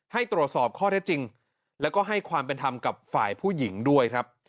ให้ตรวจสอบข้อเท็จจริงแล้วก็ให้ความเป็นธรรมกับฝ่ายผู้หญิงด้วยครับ